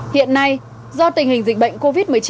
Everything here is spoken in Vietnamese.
hiện nay do tình hình dịch bệnh covid một mươi chín